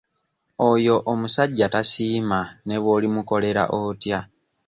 Oyo omusajja tasiima ne bw'olimukolera otya.